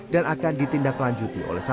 dan akan ditindak lanjuti oleh satuan